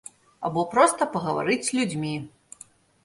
Або проста пагаварыць з людзьмі.